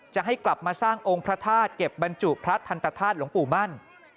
จะให้กลับมาสร้างองค์พระธาตุเก็บบรรจุพระทันตธาตุหลวงปู่มั่น